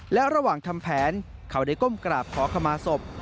และระหว่างทำแผนเขาได้ก้มกราบขอขมาศพ